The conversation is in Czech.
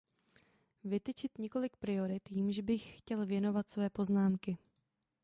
Vytyčil několik priorit, jimž bych chtěl věnovat své poznámky.